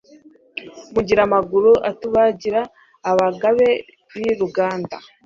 Mugira amaguru atugabira, Abagabe b'i Ruganda